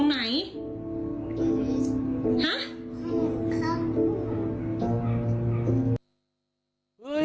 ไม่มี